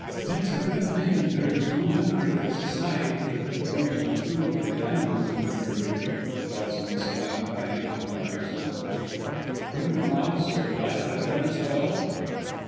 "It's a good thing there is no member of the Society for the Prevention of Cruelty to Animals anywhere near," Kelson exclaimed, eyeing Hamar resentfully. "Wouldn't a mouse or a rat have done as well?"